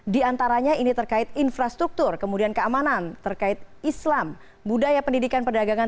di antaranya ini terkait infrastruktur kemudian keamanan terkait islam budaya pendidikan perdagangan